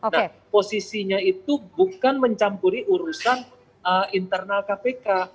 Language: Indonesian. nah posisinya itu bukan mencampuri urusan internal kpk